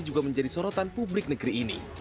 juga menjadi sorotan publik negeri ini